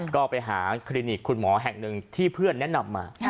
ก็ไปหาคลินิกคุณหมอแห่งหนึ่งที่เพื่อนแนะนำมา